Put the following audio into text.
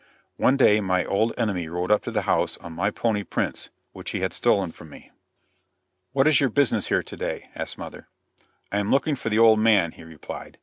One day my old enemy rode up to the house on my pony Prince, which he had stolen from me. "What is your business here to day?" asked mother. "I am looking for the old man," he replied.